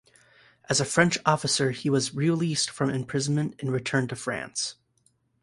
As a French officer he was released from imprisonment and returned to France.